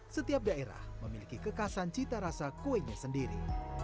setiap daerah memiliki kekasan cita rasa kuenya sendiri